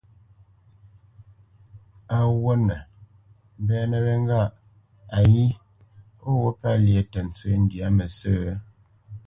Á ghwûʼnə mbɛ́nə́ wê ŋgâʼ:‹‹ayí ó ghwût pə́ lyé tə ntsə́ ndyâ mə sə̂?